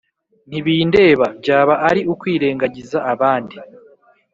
ntibindeba byaba ari ukwirengagiza abandi